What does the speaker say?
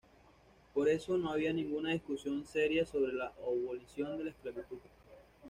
Por eso no había ninguna discusión seria sobre la abolición de la esclavitud.